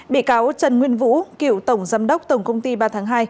bị cáo trần nguyên vũ cựu tổng giám đốc tổng công ty ba tháng hai